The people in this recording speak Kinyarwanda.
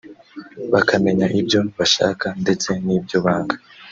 bakamenya ibyo bashaka ndetse n’ibyo banga